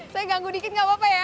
saya ganggu dikit gak apa apa ya